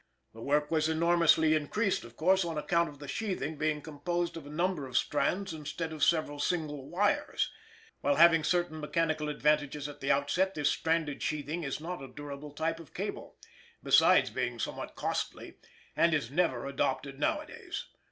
The work was enormously increased, of course, on account of the sheathing being composed of a number of strands instead of several single wires. While having certain mechanical advantages at the outset, this stranded sheathing is not a durable type of cable besides being somewhat costly and is never adopted nowadays.